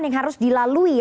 yang harus dilalui